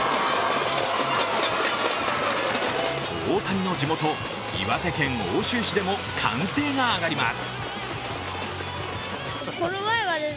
大谷の地元・岩手県奥州市でも歓声が上がります。